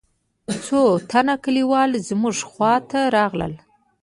څو تنه كليوال زموږ خوا ته راغلل.